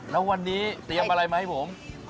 แล้ววันนี้เตรียมอะไรมาให้ผม